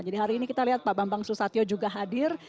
jadi hari ini kita lihat pak bambang susatyo juga hadir